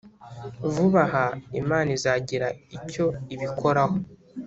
vuba aha Imana izagira icyo ibikoraho